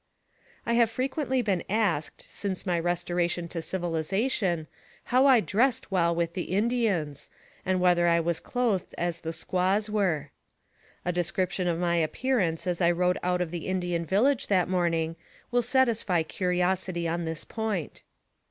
I have frequently been asked, since my restoration to civilization, how I dressed while with the Indians, and whether I was clothed as the squaws were. A description of my appearance as I rode out of the In dian village that morning, will satisfy curiosity on this point.